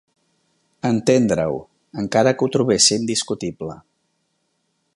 A entendre-ho, encara que ho trobéssim discutible.